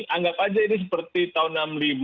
anggap saja ini seperti tahun enam puluh lima